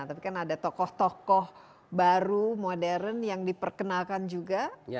tapi kan ada tokoh tokoh baru modern yang diperkenalkan juga